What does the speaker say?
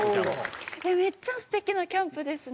めっちゃ素敵なキャンプですね。